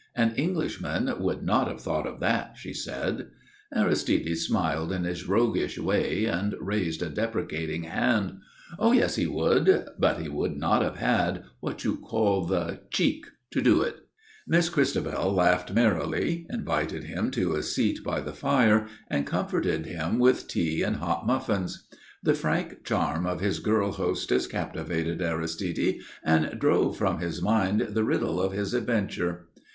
"An Englishman would not have thought of that," she said. Aristide smiled in his roguish way and raised a deprecating hand. "Oh, yes, he would. But he would not have had what you call the cheek to do it." Miss Christabel laughed merrily, invited him to a seat by the fire, and comforted him with tea and hot muffins. The frank charm of his girl hostess captivated Aristide and drove from his mind the riddle of his adventure.